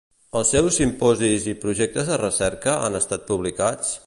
Els seus simposis i projectes de recerca han estat publicats?